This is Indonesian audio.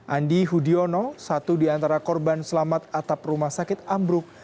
andi hudiono satu di antara korban selamat atap rumah sakit ambruk